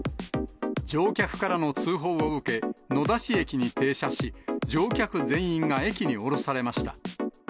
乗客からの通報を受け、野田市駅に停車し、乗客全員が駅に降ろされました。